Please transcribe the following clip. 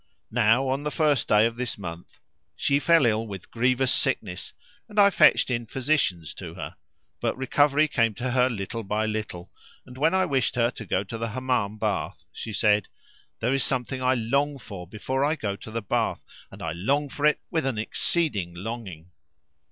Now on the first day of this month she fell ill with grievous sickness and I fetched in physicians to her; but recovery came to her little by little. and, when I wished her to go to the Hammam bath, she said, "There is a something I long for before I go to the bath and I long for it with an exceeding longing."